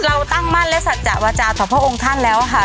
เราตั้งมั่นและสัจจะวาจาต่อพระองค์ท่านแล้วค่ะ